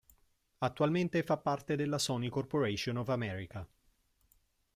Attualmente fa parte della Sony Corporation of America.